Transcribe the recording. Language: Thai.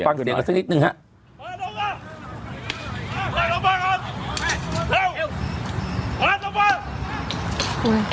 ขอบฟังเสียงกันสักนิดนึงฮะ